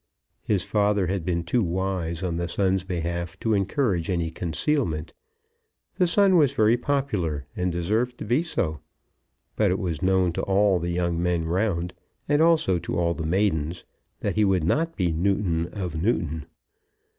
His father had been too wise on the son's behalf to encourage any concealment. The son was very popular, and deserved to be so; but it was known to all the young men round, and also to all the maidens, that he would not be Newton of Newton.